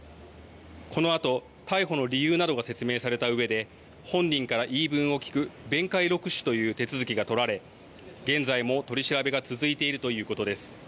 このあと逮捕の理由などが説明されたうえで本人から言い分を聞く弁解録取という手続きが取られ現在も取り調べが続いているということです。